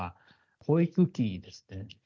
保育器ですね。